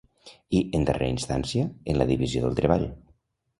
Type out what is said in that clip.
I, en darrera instància, en la divisió del treball.